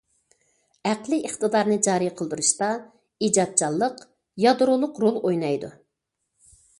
ئەقلىي ئىقتىدارنى جارى قىلدۇرۇشتا ئىجادچانلىق يادرولۇق رول ئوينايدۇ.